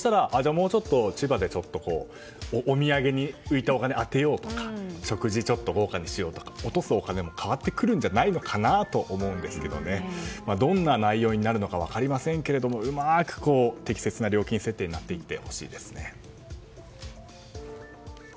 千葉でちょっと、お土産に浮いたお金を充てようとか食事をちょっと豪華にしようとか落とすお金もちょっと変わってくるんじゃないかなとも思うんですけどどんな内容になるかは分かりませんがうまく適切な料金設定になっていってほしいですね。